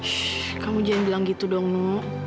shhh kamu jangan bilang gitu dong nu